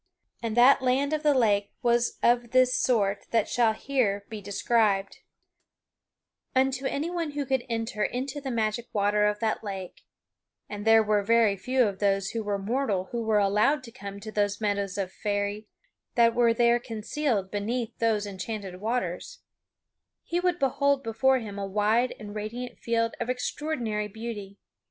And that land of the lake was of this sort that shall here be described: Unto anyone who could enter into the magic water of that lake (and there were very few of those who were mortal who were allowed to come to those meadows of Faery that were there concealed beneath those enchanted waters) he would behold before him a wide and radiant field of extraordinary beauty.